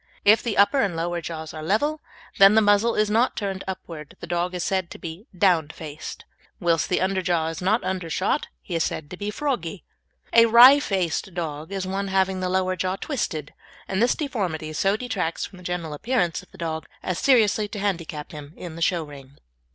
If the upper and lower jaws are level, and the muzzle is not turned upwards the dog is said to be "down faced," whilst if the underjaw is not undershot he is said to be "froggy." A "wry faced" dog is one having the lower jaw twisted, and this deformity so detracts from the general appearance of the dog as seriously to handicap him in the show ring.